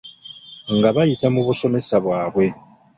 Nga bayita mu basomesa baabwe.